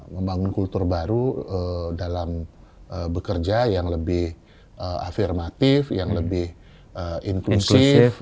membangun kultur baru dalam bekerja yang lebih afirmatif yang lebih inklusif